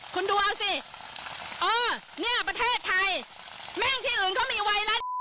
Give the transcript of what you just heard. คุณดูเอาสิเออเนี่ยประเทศไทยแม่งที่อื่นเขามีไวรัส